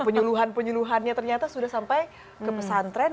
penyuluhan penyuluhannya ternyata sudah sampai ke pesantren